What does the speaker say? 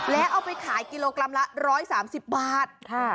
แล้วเอาไปขายกิโลกรัมละ๑๓๐บาท